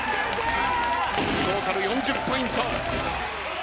トータル４０ポイント。